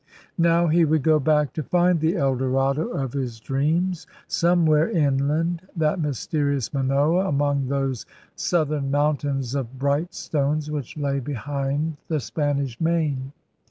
' Now he would go back to find the El Dorado of his dreams, somewhere inland, that mysterious Manoa among those southern Mountains of Bright Stones which lay behind the Spanish Main.